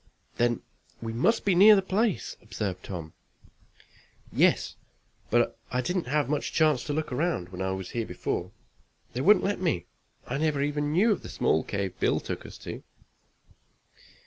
"Then we must be near the place," observed Tom. "Yes, but I didn't have much chance to look around when I was here before. They wouldn't let me. I never even knew of the small cave Bill took us to."